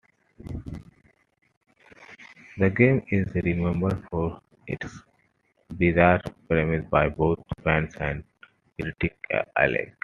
The game is remembered for its bizarre premise by both fans and critics alike.